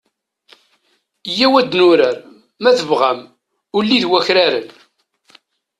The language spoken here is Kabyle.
Iyyaw ad nurar, ma tebɣam, ulli d wakraren.